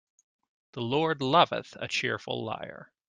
The Lord loveth a cheerful liar.